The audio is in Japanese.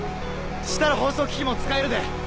したら放送機器も使えるで。